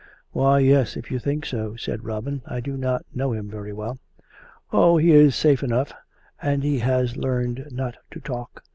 " Why, yes, if you think so," said Robin. " I do not know him very well." " Oh ! he is safe enough, and he has learned not to talk.